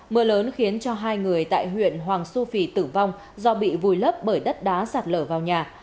mưa lớn khiến cho hai người tại huyện hoàng su phi tử vong do bị vùi lấp bởi đất đá sạt lở vào nhà